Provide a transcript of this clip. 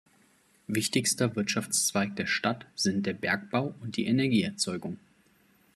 Wichtigster Wirtschaftszweig der Stadt sind der Bergbau und die Energieerzeugung.